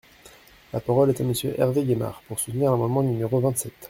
La parole est à Monsieur Hervé Gaymard, pour soutenir l’amendement numéro vingt-sept.